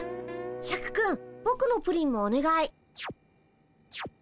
シャクくんぼくのプリンもおねがい。